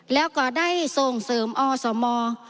แล้วก็ได้ส่งเสริมอสม